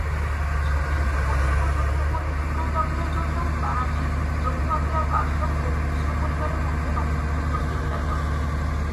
ছবির উপজীব্য জমির উপর নিয়ন্ত্রণ দখলের জন্য বারাণসীর জমি মাফিয়া কাশ্যপ ও মিশ্র পরিবারের মধ্যে রক্তক্ষয়ী প্রতিযোগিতার গল্প।